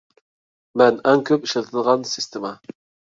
مەن ئەڭ كۆپ ئىشلىتىدىغان سىستېما.